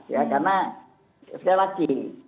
ya karena sekali lagi